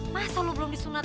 masa lu belum disunat